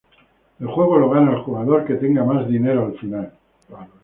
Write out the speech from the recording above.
El juego lo gana el jugador que tenga más dinero al final.